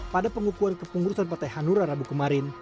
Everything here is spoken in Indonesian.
pada pengukuran kepengurusan partai hanura rabu kemarin